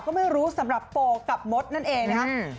ก็ไม่รู้สำหรับโปกับมดนั่นเองนะครับ